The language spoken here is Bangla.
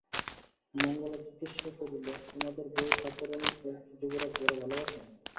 মঙ্গলা জিজ্ঞাসা করিল, তোমাদের বউ-ঠাকরুনকে কি যুবরাজ বড়ো ভালোবাসেন?